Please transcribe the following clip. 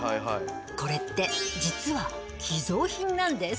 これって実は寄贈品なんです。